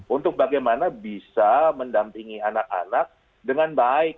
untuk bagaimana bisa mendampingi anak anak dengan baik